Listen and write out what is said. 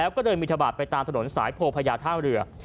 ก็้มิทยาบาทไปตามถนนสายโภภัยาท่างเรือ